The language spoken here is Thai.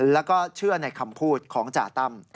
แล้วก็เชื่อในคำพูดของจ่าตั้ม